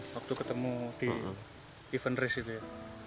waktu ketemu di event race itu ya